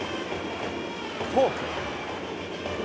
フォーク。